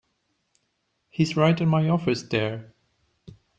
He's right in my office there.